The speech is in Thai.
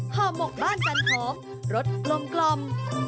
ห่อหมกบ้านจันหอมรสกลม